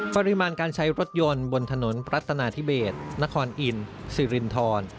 ปริมาณการใช้รถยนต์บนถนนรัฐนาธิเบสนครอินสิรินทร